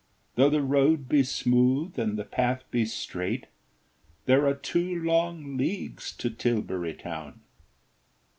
Though the road be smooth and the path be straight, There are two long leagues to Tilbury Town.